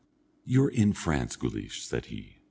"You're in France, Guleesh," said he.